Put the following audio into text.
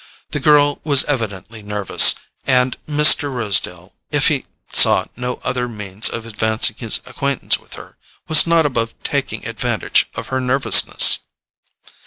The girl was evidently nervous, and Mr. Rosedale, if he saw no other means of advancing his acquaintance with her, was not above taking advantage of her nervousness.